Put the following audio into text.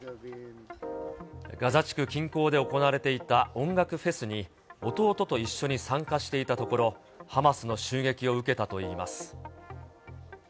ガザ地区近郊で行われていた音楽フェスに、弟と一緒に参加していたところ、ハマスの襲撃を受けたといいます。